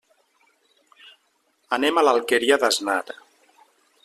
Anem a l'Alqueria d'Asnar.